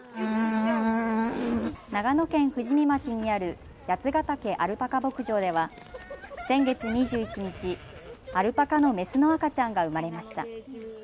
長野県富士見町にある八ヶ岳アルパカ牧場では先月２１日、アルパカのメスの赤ちゃんが生まれました。